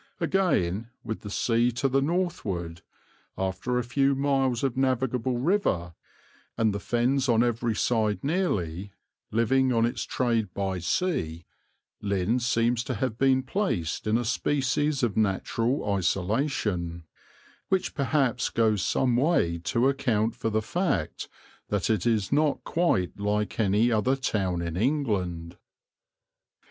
Again, with the sea to the northward, after a few miles of navigable river, and the Fens on every side nearly, living on its trade by sea, Lynn seems to have been placed in a species of natural isolation, which perhaps goes some way to account for the fact that it is not quite like any other town in England.